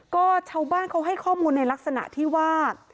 ก็ชาวบ้านเขาให้ข้อมูลในลักษณะที่ว่า